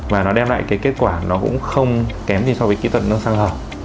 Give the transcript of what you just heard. và nó đem lại cái kết quả nó cũng không kém gì so với kỹ thuật nâng xoang hở